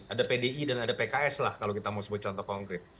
ada pdi dan ada pks lah kalau kita mau sebut contoh konkret